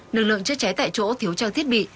lực lượng chất cháy tại chỗ thiếu trang thiết bị